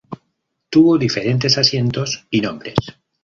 Tuvo diferentes asientos y nombres.